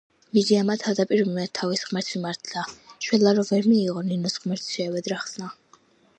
მირიანმა თავდაპირველად თავის ღმერთებს მიმართა; შველა რომ ვერ მიიღო, ნინოს ღმერთს შეევედრა ხსნას.